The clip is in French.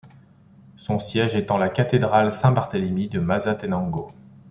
Son siège est en la cathédrale Saint-Barthélemy de Mazatenango.